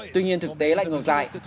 tuy nhiên thực tế lại ngược lại